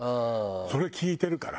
それ聞いてるから。